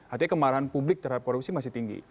artinya kemarahan publik terhadap korupsi masih tinggi